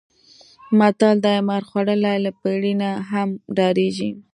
متل دی: مار خوړلی له پړي نه هم ډارېږي.